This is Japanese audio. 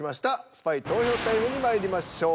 スパイ投票タイムにまいりましょう。